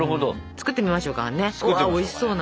作ってみましょうかはい。